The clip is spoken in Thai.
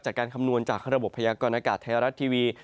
คำนวณจากระบบพยากรณากาศไทยรัฐทีวี